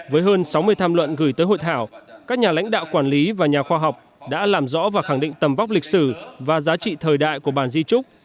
với hơn sáu mươi tham luận gửi tới hội thảo các nhà lãnh đạo quản lý và nhà khoa học đã làm rõ và khẳng định tầm vóc lịch sử và giá trị thời đại của bàn di trúc